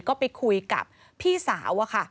ก็ไปขุยกับพี่สาว